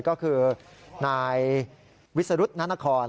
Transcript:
ก็คือนายวิสรุดนทธภณภรรณ